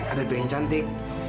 ada piring cantik